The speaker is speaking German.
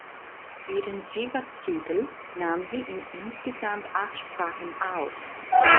Ihren Siegertitel nahm sie in insgesamt acht Sprachen auf.